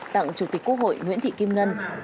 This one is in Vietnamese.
tặng chủ tịch quốc hội nguyễn thị kim ngân